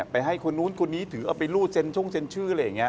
ไปให้คนนู้นคนนี้ถือเอาไปรูดเซ็นช่วงเซ็นชื่อ